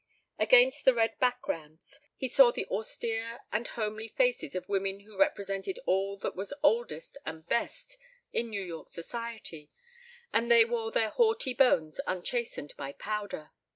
Against the red backgrounds he saw the austere and homely faces of women who represented all that was oldest and best in New York Society, and they wore their haughty bones unchastened by power.